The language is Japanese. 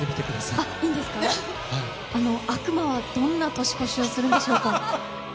あの、悪魔はどんな年越しをするんでしょうか。